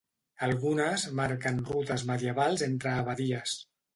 Algunes marquen rutes medievals entre abadies.